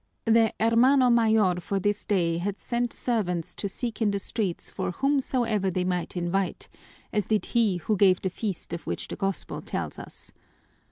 The hermano mayor for this day had sent servants to seek in the streets for whomsoever they might invite, as did he who gave the feast of which the Gospel tells us.